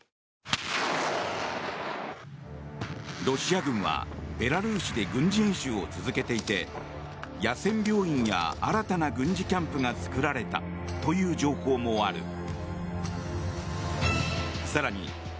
ロシア軍は、ベラルーシで軍事演習を続けていて野戦病院や新たな軍事キャンプが作られたという情報もある。